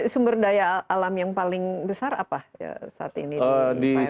sumber daya alam yang paling besar apa saat ini di pak heru